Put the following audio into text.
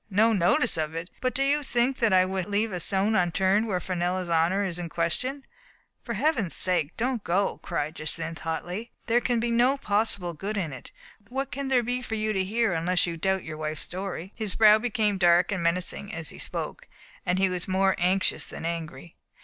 "No notice of it! But do you think that I would leave a stone unturned where Fenella's honor is in question?" "For Heaven's sake, don't go," cried Jacynth hotly. "There can. be no possible good in it. What can there be for you to hear, unless you doubt your wife's story?" His brow became dark and menacing as he spoke, but he was more anxious than angry.